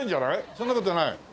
そんな事ない？